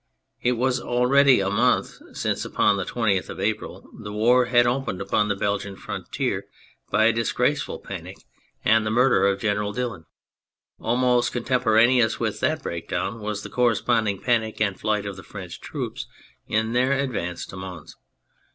It was already a month since, upon the 20th of April, the war had opened upon the Belgian frontier by a disgraceful panic and thfl murder of General Dillon; almost contem poraneous with that breakdown was the corresponding panic and flight of the French troops in their advance to Mons.